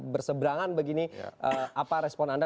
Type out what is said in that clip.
berseberangan begini apa respon anda